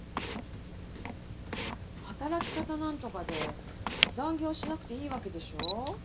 働き方何とかで残業しなくていいわけでしょ？